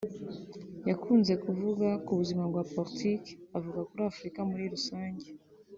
yakunze kuvuga ku buzima bwa politiki avuga kuri Afurika muri rusange